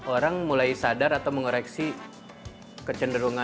orang mulai sadar atau mengoreksi kecenderungan